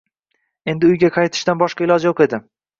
Endi uyga qaytishdan boshqa iloji yo‘q edi